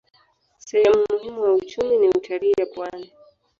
Sehemu muhimu wa uchumi ni utalii ya pwani.